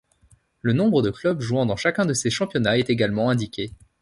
Le nombre de clubs jouant dans chacun de ces championnats est également indiqué.